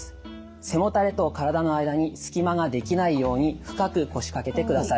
背もたれとからだの間に隙間が出来ないように深く腰かけてください。